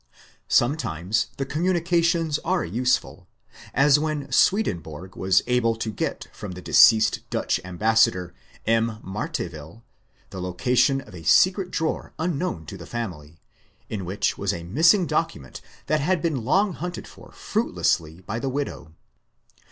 Sometimes the communications are useful; as when Sweden borg was able to get from the deceased Dutch ambassador, M. Marteville, the location of a secret drawer unknown to the family, in which was a missing document that had been long hunted for fruitlessly by the widow.